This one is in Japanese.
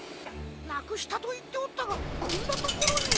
なくしたといっておったがこんなところに。